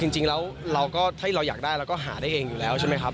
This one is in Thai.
จริงแล้วเราก็ถ้าเราอยากได้เราก็หาได้เองอยู่แล้วใช่ไหมครับ